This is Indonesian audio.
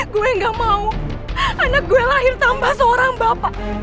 gue gak mau anak gue lahir tambah seorang bapak